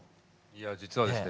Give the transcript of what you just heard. いや実はですね